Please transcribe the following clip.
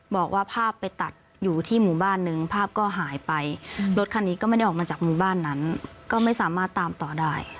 บอกว่าภาพไปตัดอยู่ที่หมู่บ้านนึงภาพก็หายไปรถคันนี้ก็ไม่ได้ออกมาจากหมู่บ้านนั้นก็ไม่สามารถตามต่อได้